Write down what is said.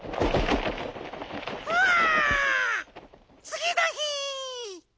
つぎのひ！